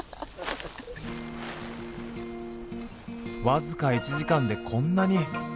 僅か１時間でこんなに。